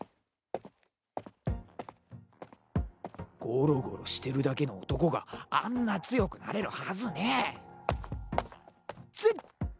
ゴロゴロしてるだけの男があんな強くなれるはずねぇ。